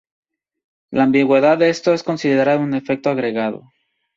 La ambigüedad de esto es considerada un efecto agregado.